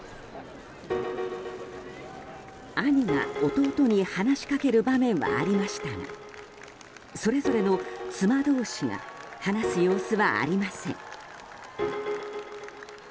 兄が弟に話しかける場面はありましたがそれぞれの妻同士が話す様子はありません。